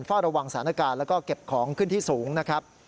เฝ้าระวังสถานการณ์แล้วก็เก็บของขึ้นที่สูงนะครับ